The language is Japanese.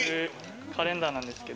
カレンダーなんですけど。